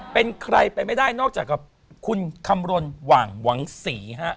เป็นใครไปไม่ได้นอกจากกับคุณคำรณหว่างหวังศรีฮะ